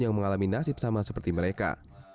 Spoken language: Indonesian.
yang mengalami nasib sama seperti mereka